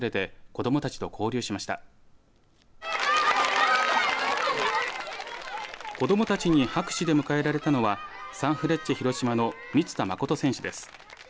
子どもたちに拍手で迎えられたのはサンフレッチェ広島の満田誠選手です。